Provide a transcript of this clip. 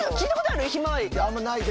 あんまないですけど。